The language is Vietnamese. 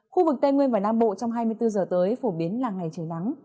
khu vực tây nguyên và nam bộ trong hai mươi bốn giờ tới phổ biến là ngày trời nắng